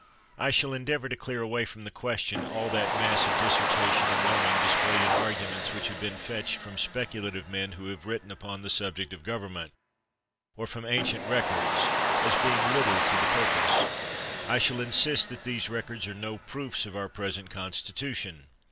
I shall endeavor to clear away from the ques tion all that mass of dissertation and learning displayed m arguments which have been fetched from speculative men who have written upon the subject of government, or from ancient rec ords, as being little to the purpose. I shall in sist that these records are no proofs of our present constitution.